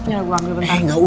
ya gue anggil bentar